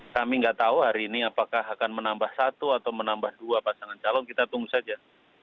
kami nggak tahu hari ini apakah akan menambah satu atau menambah dua pasangan calon kita tunggu saja